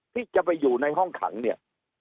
ที่จะไปอยู่ในห้องขังเนี่ย